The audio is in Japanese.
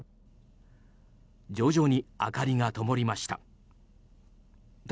徐々に明かりがともりました。